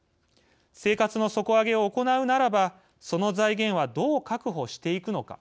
生活の底上げを行うならばその財源はどう確保していくのか。